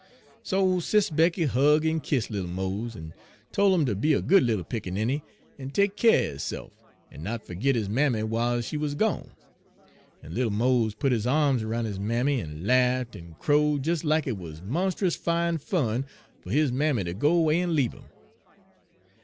"So Sis' Becky hug' en kiss' little Mose, en tol' 'im ter be a good little pickaninny, en take keer er hisse'f, en not fergit his mammy w'iles she wuz gone. En little Mose put his arms roun' his mammy en lafft en crowed des lack it wuz monst'us fine fun fer his mammy ter go 'way en leabe 'im.